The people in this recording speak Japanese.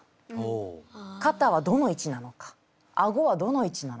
肩はどの位置なのかあごはどの位置なのか。